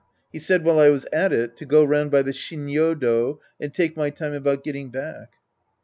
He said while I was at it to go round by the Shinnyodo and take my time about getting back.